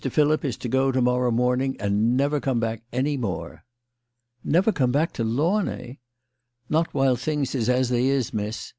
Philip is to go to inorrow morning and never come back any more." "Never come back to Launay ?" "Not while things is as they is, miss.